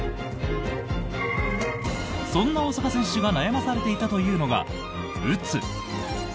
そんな大坂選手が悩まされていたというのがうつ。